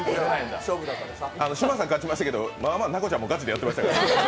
嶋佐さん勝ちましたけどまあまあ、奈子ちゃんもガチでやってました。